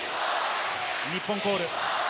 日本コール。